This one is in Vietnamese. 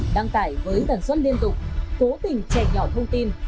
đăng tải với tần suất liên tục cố tình chè nhọn thông tin